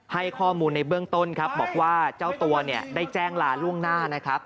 ให้ข้อมูลในเบื้องต้นครับบอกว่าเจ้าตัวเนี่ยได้แจ้งลาล่วงหน้านะครับ